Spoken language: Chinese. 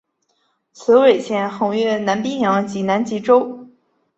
此纬线横越南冰洋及南极洲。